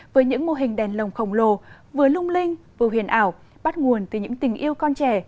với những mô hình đèn lồng khổng lồ vừa lung linh vừa huyền ảo bắt nguồn từ những tình yêu con trẻ